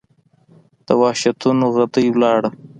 د وحشتونو ، غدۍ وَلاړه